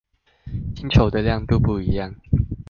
星球的亮度不一樣